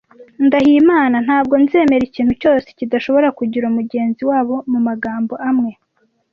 Ndahiye Imana! Ntabwo nzemera ikintu cyose kidashobora kugira mugenzi wabo mumagambo amwe.